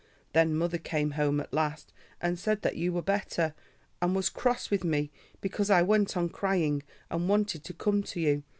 Then mother came home at last and said that you were better, and was cross with me because I went on crying and wanted to come to you.